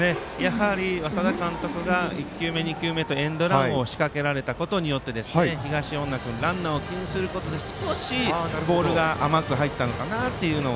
稙田監督が１球目、２球目とエンドランを仕掛けられたことによって東恩納君ランナーを気にすることで少しボールが甘く入ったのかなと。